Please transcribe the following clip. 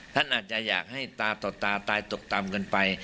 ท่านอาจจะอยากให้ตาต่อตาตายตกต่ำกันไป